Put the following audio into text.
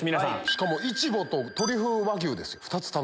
しかもイチボとトリュフ和牛ですよ。